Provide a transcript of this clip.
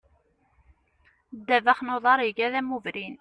Ddabex n uḍar iga d amubrin.